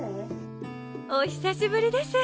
お久しぶりです。